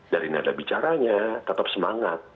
dari nada bicaranya tetap semangat